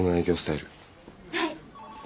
はい。